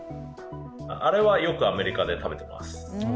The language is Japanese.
あれは、よくアメリカで食べています。